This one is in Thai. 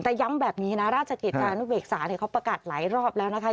แต่ย้ำแบบนี้นรจนเวกษาพกัดหลายรอบแล้วนะคะ